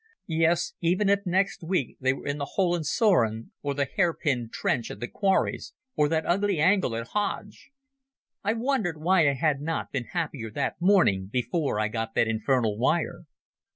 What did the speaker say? Yes, even if next week they were in the Hohenzollern, or the Hairpin trench at the Quarries, or that ugly angle at Hooge. I wondered why I had not been happier that morning before I got that infernal wire.